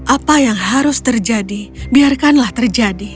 apa yang harus terjadi biarkanlah terjadi